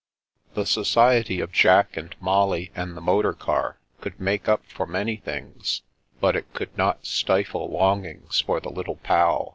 The society of Jack and Molly and the motor car could make up for many things, but it could not stifle longings for the Little Pal.